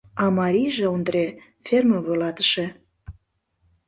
А марийже, Ондре, ферме вуйлатыше.